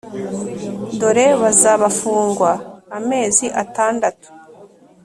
dore bazabafungwa amezi atandatu